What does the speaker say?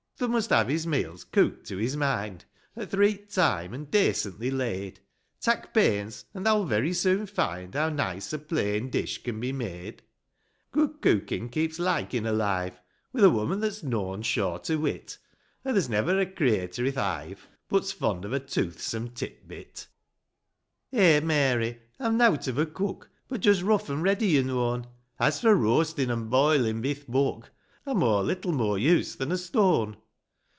Thou mun have his meals cooked to his mind, At th' reet time, an' daicently laid ; Tak' pains ; an' thou'll very soon find How nice a plain dish can be made : Good cookin' keeps likin' alive, With a woman that's noan short o' wit ; An' there's never a craiter i'th hive But's fond of a toothsome tit bit 1 " TOOTHSOME ADVICE. 137 VI. " Eh, Mary ; I'm nought of a cook, But just rough an' ready, yo known ; As for roastin' an' boilin' bi th' book, — I'm o' httle more use than a stone